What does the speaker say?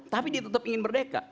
tapi dia tetap ingin merdeka